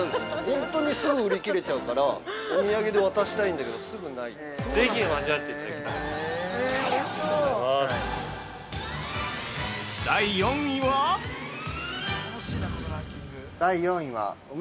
本当にすぐ売り切れちゃうから、お土産で渡したいんだけど、すぐないという。